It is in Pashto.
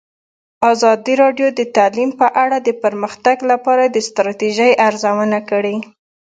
ازادي راډیو د تعلیم په اړه د پرمختګ لپاره د ستراتیژۍ ارزونه کړې.